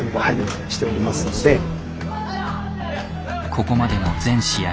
ここまでも全試合